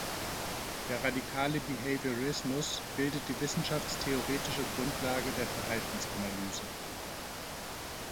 Der Radikale Behaviorismus bildet die wissenschaftstheoretische Grundlage der Verhaltensanalyse.